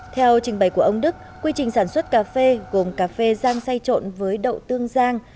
theo trình bày của ông đức quy trình sản xuất cà phê gồm cà phê giang say trộn với đậu tương giang